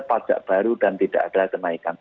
pajak baru dan tidak ada kenaikan